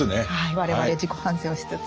我々自己反省をしつつ。